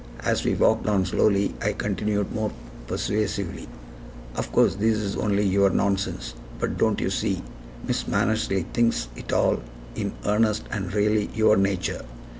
As we walked on slowly I continued more persuasively: "Of course this is only your nonsense; but don't you see, Miss Mannersley thinks it all in earnest and really your nature?"